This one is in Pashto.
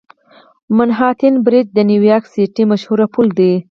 منهاټن برج د نیویارک سیټي مشهور پل دی.